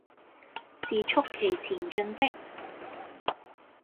是促其前進的，